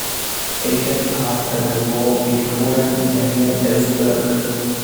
Editors after the war included Daniel Ellsberg.